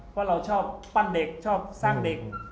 เพราะเราชอบปั้นเด็กชอบสร้างเด็ก